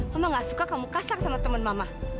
mama gak suka kamu kasar sama temen mama